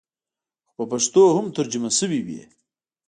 خو په پښتو هم ترجمه سوې وې.